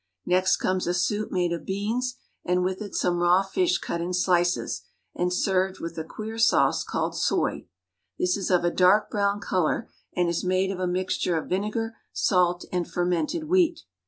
Next comes a soup made of beans, and with it some raw fish cut in slices, and served with a queer sauce called soy. This is of a dark brown color, and is made of a mixture of vinegar, salt, and fermented wheat.